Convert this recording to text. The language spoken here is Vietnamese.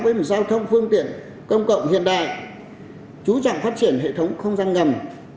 với một giao thông phương tiện công cộng hiện đại chú trọng phát triển hệ thống không gian ngầm